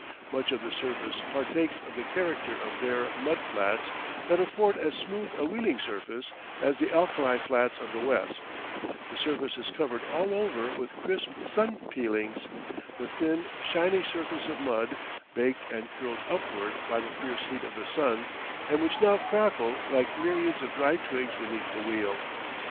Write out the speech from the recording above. Much of the surface partakes of the character of bare mud flats that afford as smooth a wheeling surface as the alkali flats of the West; the surface is covered all over with crisp sun peelings the thin, shiny surface of mud, baked and curled upward by the fierce heat of the sun, and which now crackle like myriads of dried twigs beneath the wheel.